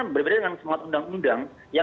berbeda dengan semuanya undang undang yang